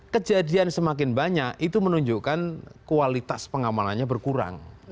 kejadian semakin banyak itu menunjukkan kualitas pengamalannya berkurang